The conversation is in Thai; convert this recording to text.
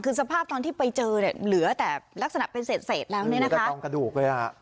คือสภาพตอนที่ไปเจอเนี้ยเหลือแต่ลักษณะเป็นเสร็จเสร็จแล้วเนี้ยนะคะอืมแต่ต้องกระดูกเลยล่ะ